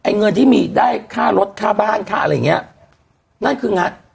เงินที่มีได้ค่ารถค่าบ้านค่าอะไรมันถูก